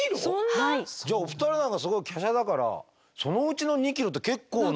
じゃあお二人なんかすごいきゃしゃだからそのうちの２ｋｇって結構な。